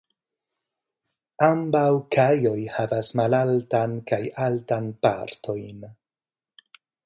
Ambaŭ kajoj havas malaltan kaj altan partojn.